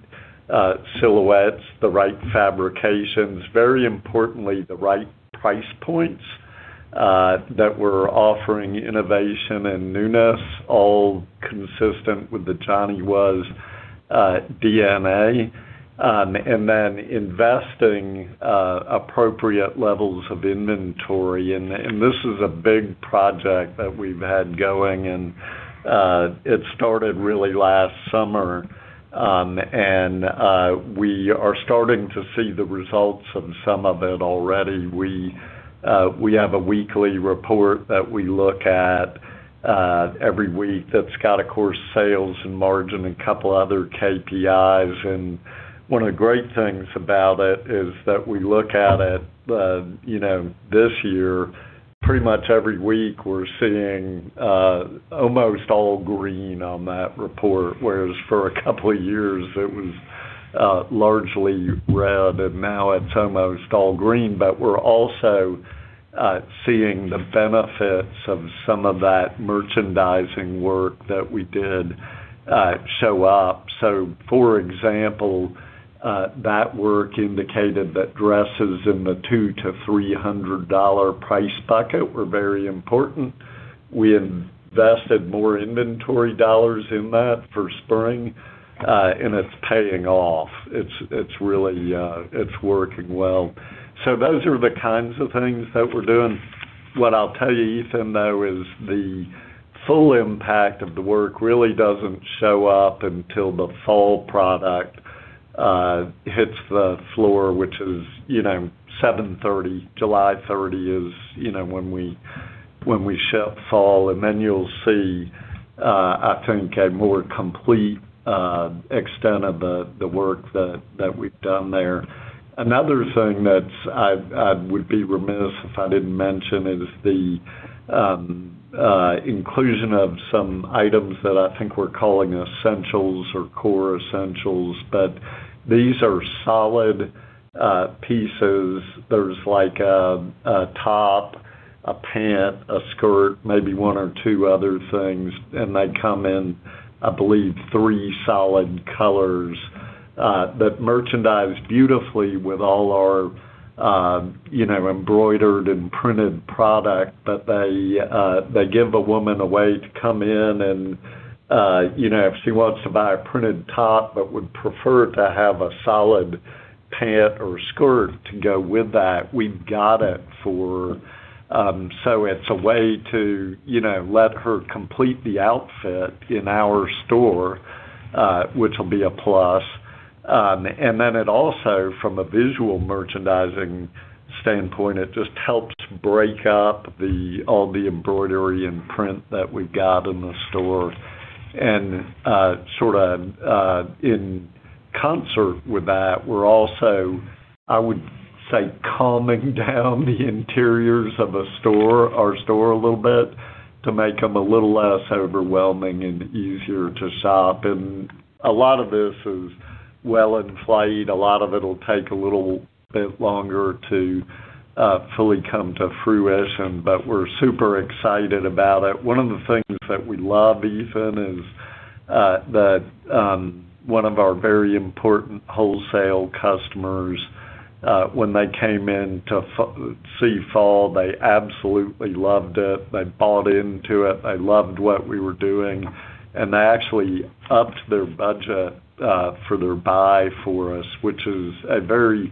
silhouettes, the right fabrications, very importantly, the right price points that we're offering innovation and newness, all consistent with the Johnny Was DNA, and then investing appropriate levels of inventory. This is a big project that we've had going, it started really last summer. We are starting to see the results of some of it already. We have a weekly report that we look at every week that's got of course sales and margin and a couple other KPIs. One of the great things about it is that we look at it, you know, this year, pretty much every week we're seeing almost all green on that report, whereas for a couple of years it was largely red, and now it's almost all green. We're also seeing the benefits of some of that merchandising work that we did show up. For example, that work indicated that dresses in the $200-300 price bucket were very important. We invested more inventory dollars in that for spring, and it's paying off. It's really working well. Those are the kinds of things that we're doing. What I'll tell you, Ethan, though, is the full impact of the work really doesn't show up until the fall product hits the floor, which is July 30. July 30 is when we ship fall. Then you'll see, I think a more complete extent of the work that we've done there. Another thing that I would be remiss if I didn't mention is the inclusion of some items that I think we're calling essentials or core essentials. These are solid pieces. There's like a top, a pant, a skirt, maybe one or two other things, and they come in, I believe, three solid colors that merchandise beautifully with all our, you know, embroidered and printed product. They give a woman a way to come in and, you know, if she wants to buy a printed top but would prefer to have a solid pant or skirt to go with that, we've got it for her. It's a way to, you know, let her complete the outfit in our store, which will be a plus. Then it also from a visual merchandising standpoint, it just helps break up all the embroidery and print that we've got in the store. Sorta in concert with that, we're also, I would say, calming down the interiors of a store, our store a little bit to make them a little less overwhelming and easier to shop. A lot of this is well in flight. A lot of it'll take a little bit longer to fully come to fruition, but we're super excited about it. One of the things that we love even is that one of our very important wholesale customers, when they came in to see fall, they absolutely loved it. They bought into it. They loved what we were doing, and they actually upped their budget for their buy for us, which is a very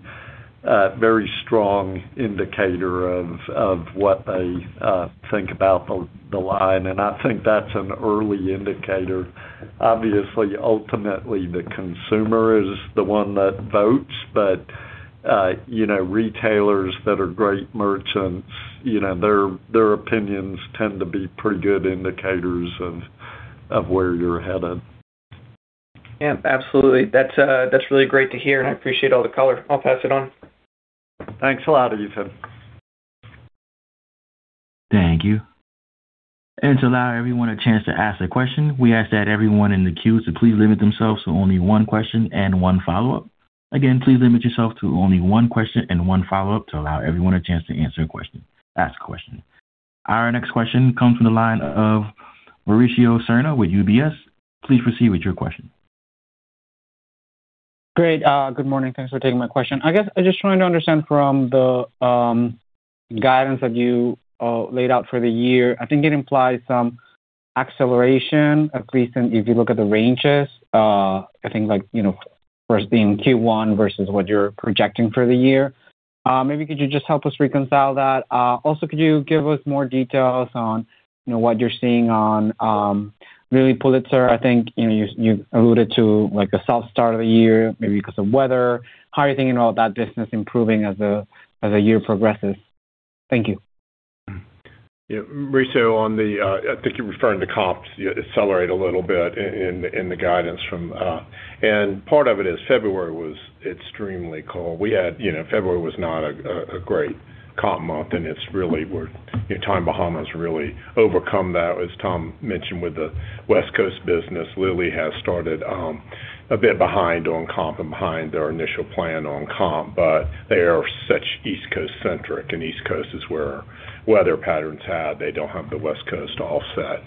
strong indicator of what they think about the line. I think that's an early indicator. Obviously, ultimately, the consumer is the one that votes, but you know, retailers that are great merchants, you know, their opinions tend to be pretty good indicators of where you're headed. Yeah, absolutely. That's really great to hear, and I appreciate all the color. I'll pass it on. Thanks a lot, Ethan. Thank you. To allow everyone a chance to ask their question, we ask that everyone in the queue to please limit themselves to only one question and one follow-up. Again, please limit yourself to only one question and one follow-up to allow everyone a chance to ask a question. Our next question comes from the line of Mauricio Serna with UBS. Please proceed with your question. Great. Good morning. Thanks for taking my question. I guess I'm just trying to understand from the guidance that you laid out for the year. I think it implies some acceleration, at least if you look at the ranges. I think like, you know, first being Q1 versus what you're projecting for the year. Maybe could you just help us reconcile that? Also, could you give us more details on, you know, what you're seeing on Lilly Pulitzer? I think, you know, you alluded to like a soft start of the year, maybe because of weather. How are you thinking about that business improving as the year progresses? Thank you. Yeah. Mauricio, I think you're referring to comps. You accelerate a little bit in the guidance from. Part of it is February was extremely cold. We had, you know, February was not a great comp month, and it's really where, you know, Tommy Bahama has really overcome that, as Tom mentioned, with the West Coast business. Lilly has started a bit behind on comp and behind their initial plan on comp, but they are such East Coast centric, and East Coast is where weather patterns had. They don't have the West Coast offset.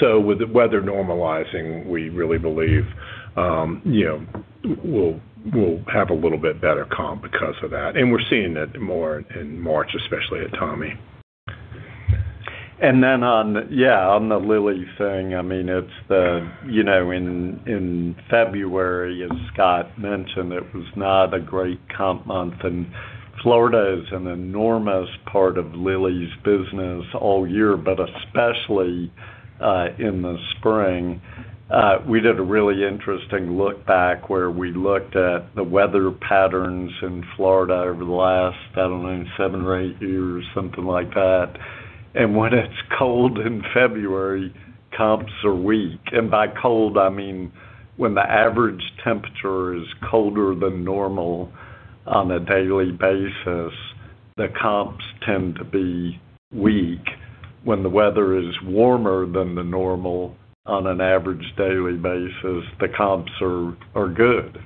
So with the weather normalizing, we really believe, you know, we'll have a little bit better comp because of that. We're seeing it more in March, especially at Tommy. Then on the Lilly thing, I mean, it's the, you know, in February, as Scott mentioned, it was not a great comp month. Florida is an enormous part of Lilly's business all year, but especially in the spring. We did a really interesting look back where we looked at the weather patterns in Florida over the last, I don't know, seven or eight years, something like that. When it's cold in February, comps are weak. By cold, I mean, when the average temperature is colder than normal on a daily basis, the comps tend to be weak. When the weather is warmer than the normal on an average daily basis, the comps are good.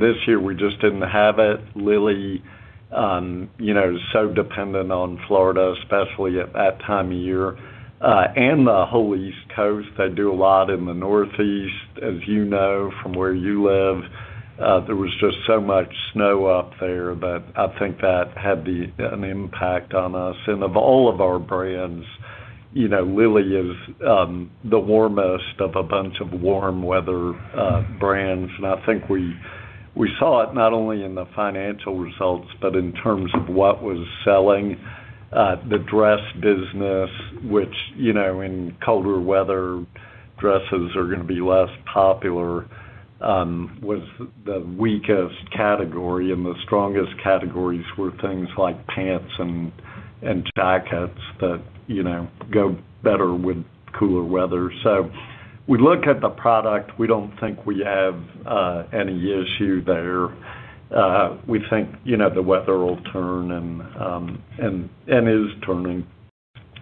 This year we just didn't have it. Lilly, you know, is so dependent on Florida, especially at that time of year, and the whole East Coast. They do a lot in the Northeast, as you know, from where you live. There was just so much snow up there that I think that had an impact on us. Of all of our brands, you know, Lilly is the warmest of a bunch of warm weather brands. I think we saw it not only in the financial results, but in terms of what was selling. The dress business, which, you know, in colder weather, dresses are gonna be less popular, was the weakest category. The strongest categories were things like pants and jackets that, you know, go better with cooler weather. We look at the product. We don't think we have any issue there. We think, you know, the weather will turn and is turning,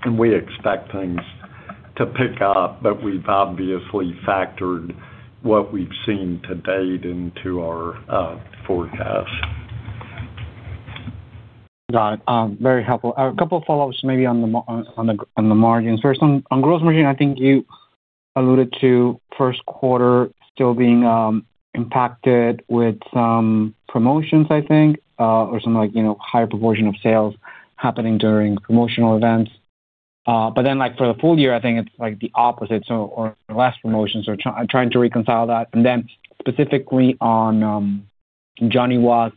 and we expect things to pick up, but we've obviously factored what we've seen to date into our forecast. Got it. Very helpful. A couple of follow-ups maybe on the margins. First, on gross margin, I think you alluded to first quarter still being impacted with some promotions, I think, or some, like, you know, higher proportion of sales happening during promotional events. Like, for the full-year, I think it's like the opposite so or less promotions or trying to reconcile that. Specifically on Johnny Was,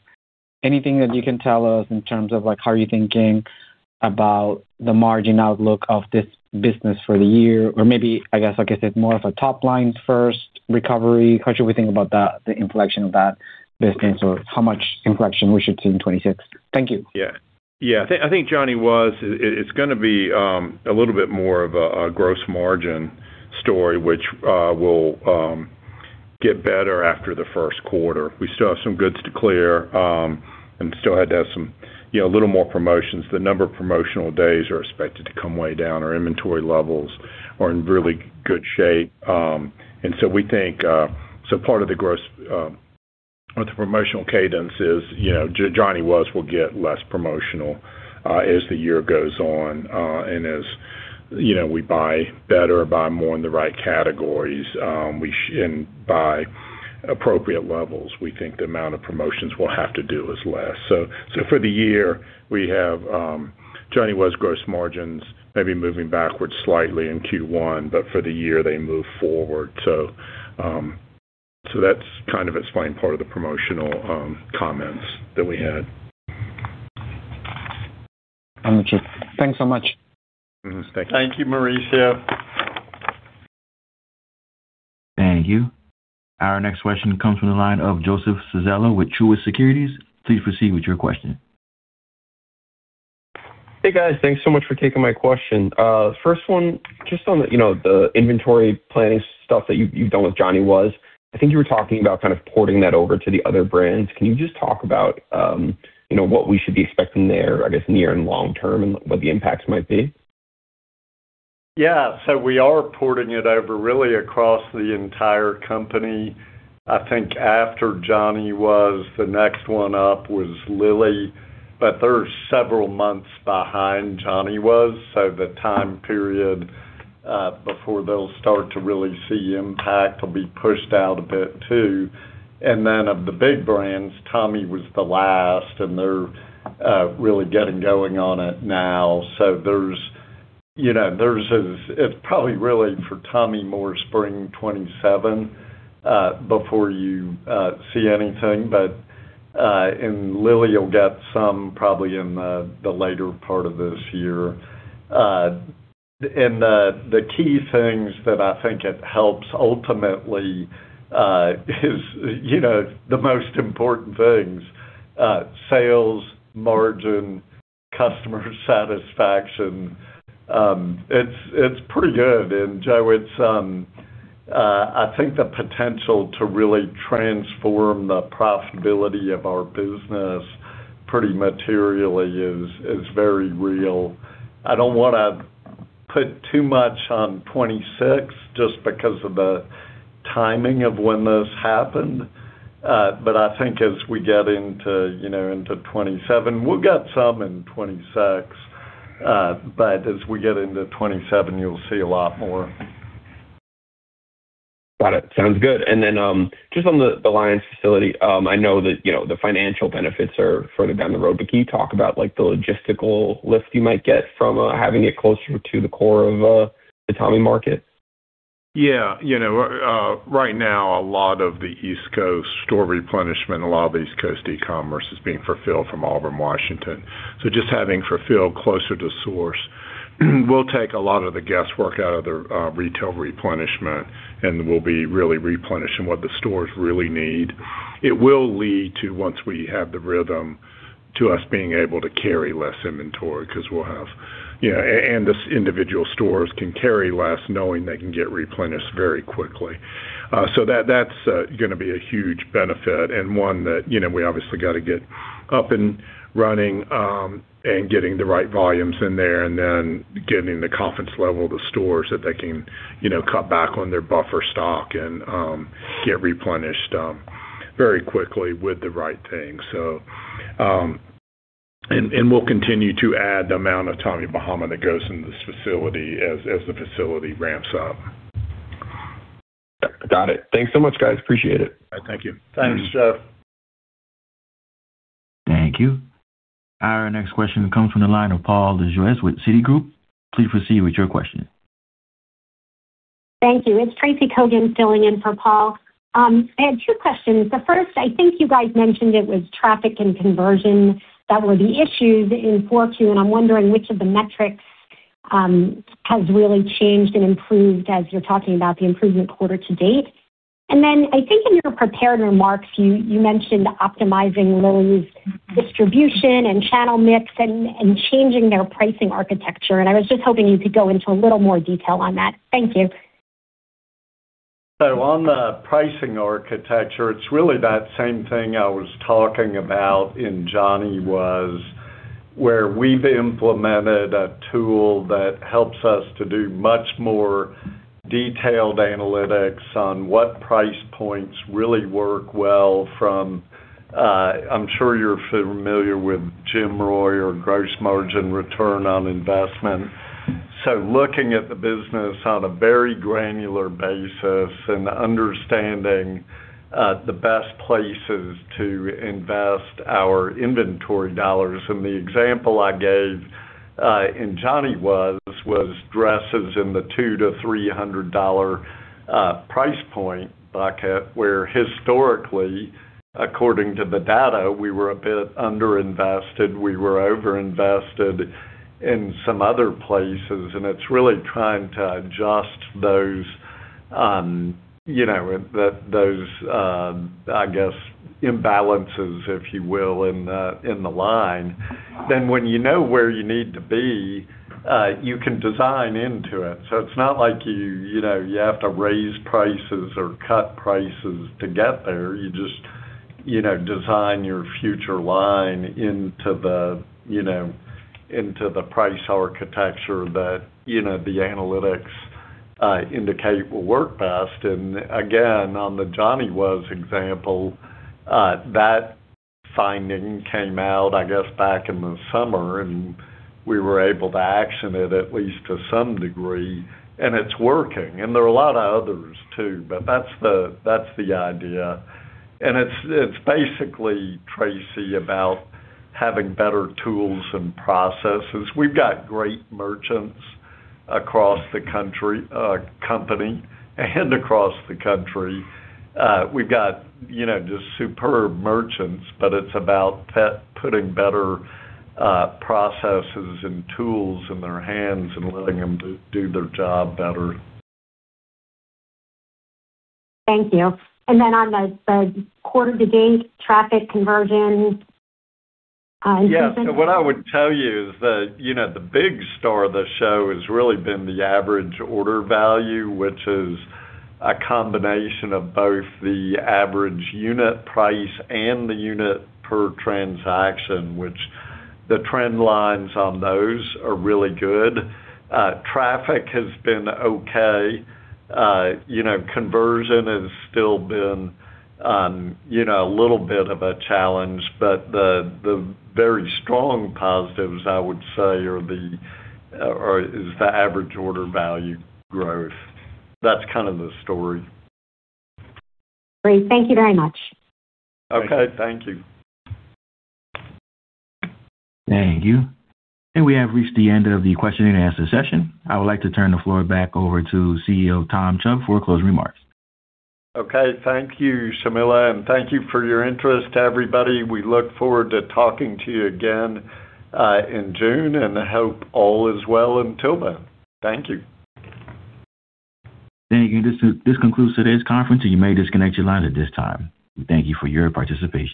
anything that you can tell us in terms of, like, how you're thinking about the margin outlook of this business for the year? Or maybe, I guess, like I said, more of a top line first recovery. How should we think about the inflection of that business or how much inflection we should see in 2026? Thank you. I think Johnny Was, it's gonna be a little bit more of a gross margin story, which will get better after the first quarter. We still have some goods to clear and still had to have some, you know, little more promotions. The number of promotional days are expected to come way down. Our inventory levels are in really good shape. We think so part of the gross or the promotional cadence is, you know, Johnny Was will get less promotional as the year goes on and as, you know, we buy better, buy more in the right categories and buy appropriate levels, we think the amount of promotions we'll have to do is less. For the year, we have Johnny Was gross margins maybe moving backwards slightly in Q1, but for the year, they move forward. That's kind of explaining part of the promotional comments that we had. Got it, chief. Thanks so much. Thank you. Thank you, Mauricio. Thank you. Our next question comes from the line of Joseph Civello with Truist Securities. Please proceed with your question. Hey, guys. Thanks so much for taking my question. First one, just on the, you know, the inventory planning stuff that you've done with Johnny Was. I think you were talking about kind of porting that over to the other brands. Can you just talk about, you know, what we should be expecting there, I guess, near and long term, and what the impacts might be? Yeah. We are porting it over really across the entire company. I think after Johnny Was, the next one up was Lilly, but they're several months behind Johnny Was, so the time period before they'll start to really see impact will be pushed out a bit too. Of the big brands, Tommy was the last, and they're really getting going on it now. There's this, it's probably really for Tommy more spring 2027 before you see anything. In Lilly, you'll get some probably in the later part of this year. The key things that I think it helps ultimately is the most important things, sales, margin, customer satisfaction. It's pretty good. Joe, it's I think the potential to really transform the profitability of our business pretty materially is very real. I don't wanna put too much on 2026 just because of the timing of when this happened. But I think as we get into, you know, into 2027, we'll get some in 2026, but as we get into 2027, you'll see a lot more. Got it. Sounds good. Just on the Lyons facility, I know that, you know, the financial benefits are further down the road, but can you talk about, like, the logistical lift you might get from having it closer to the core of the Tommy market? Yeah. You know, right now, a lot of the East Coast store replenishment, a lot of East Coast e-commerce is being fulfilled from Auburn, Washington. So just having fulfilled closer to source will take a lot of the guesswork out of the retail replenishment and will be really replenishing what the stores really need. It will lead to once we have the rhythm to us being able to carry less inventory 'cause we'll have. You know, the individual stores can carry less knowing they can get replenished very quickly. That's gonna be a huge benefit and one that, you know, we obviously gotta get up and running, and getting the right volumes in there and then getting the confidence level of the stores that they can, you know, cut back on their buffer stock and get replenished very quickly with the right things. We'll continue to add the amount of Tommy Bahama that goes in this facility as the facility ramps up. Got it. Thanks so much, guys. Appreciate it. Thank you. Thanks, Jeff. Thank you. Our next question comes from the line of Paul Lejuez with Citigroup. Please proceed with your question. Thank you. It's Tracy Kogan filling in for Paul. I had two questions. The first, I think you guys mentioned it was traffic and conversion that were the issues in Q4, and I'm wondering which of the metrics has really changed and improved as you're talking about the improvement quarter-to-date. I think in your prepared remarks, you mentioned optimizing Lowe's distribution and channel mix and changing their pricing architecture. I was just hoping you could go into a little more detail on that. Thank you. On the pricing architecture, it's really that same thing I was talking about in Johnny Was, where we've implemented a tool that helps us to do much more detailed analytics on what price points really work well from, I'm sure you're familiar with GMROI or gross margin return on investment. Looking at the business on a very granular basis and understanding the best places to invest our inventory dollars. The example I gave in Johnny Was was dresses in the $200-300 price point bucket, where historically, according to the data, we were a bit underinvested. We were overinvested in some other places, and it's really trying to adjust those, you know, those, I guess, imbalances, if you will, in the line. When you know where you need to be, you can design into it. It's not like you know, you have to raise prices or cut prices to get there. You just, you know, design your future line into the price architecture that, you know, the analytics indicate will work best. Again, on the Johnny Was example, that finding came out, I guess, back in the summer, and we were able to action it at least to some degree, and it's working. There are a lot of others too, but that's the idea. It's basically, Tracy, about having better tools and processes. We've got great merchants across the company and across the country. We've got, you know, just superb merchants, but it's about putting better processes and tools in their hands and letting them do their job better. Thank you. On the quarter to date traffic conversion What I would tell you is that, you know, the big star of the show has really been the average order value, which is a combination of both the average unit price and the unit per transaction, which the trend lines on those are really good. Traffic has been okay. You know, conversion has still been, you know, a little bit of a challenge, but the very strong positives I would say is the average order value growth. That's kind of the story. Great. Thank you very much. Okay. Thank you. Thank you. We have reached the end of the question and answer session. I would like to turn the floor back over to CEO Tom Chubb for closing remarks. Okay. Thank you, Jameela, and thank you for your interest, everybody. We look forward to talking to you again in June, and I hope all is well until then. Thank you. Thank you. This concludes today's conference, and you may disconnect your lines at this time. We thank you for your participation.